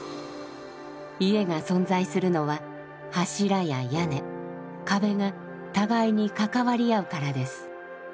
家が存在するのは柱や屋根壁が互いに関わり合うからです。